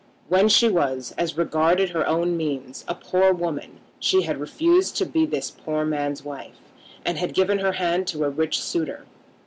When she was, as regarded her own means, a poor woman, she had refused to be this poor man's wife, and had given her hand to a rich suitor.